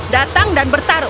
datang dan bertaruh